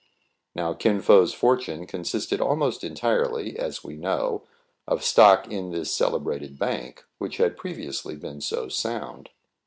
Now, Kin Fo's fortune consisted almost entirely, as we know, of stock in this celebrated bank, which had previously been so sound.